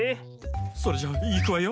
それじゃいくわよ。